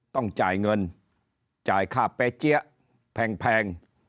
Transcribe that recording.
ต้องจ่ายเงินจ่ายค่าเป๊ะเจี๊ยะแพง